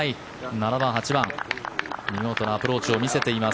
７番、８番、見事なアプローチを見せています。